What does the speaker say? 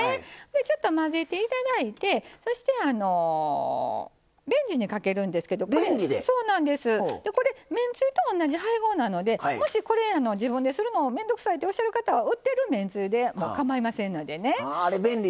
ちょっと混ぜていただいてそしてレンジにかけるんですけどこれ、めんつゆと同じ配合なので自分でするのも面倒くさいっておっしゃる方は売ってるめんつゆでもかまいませんので。